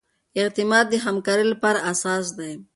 اعتماد د همکارۍ لپاره اساس دی.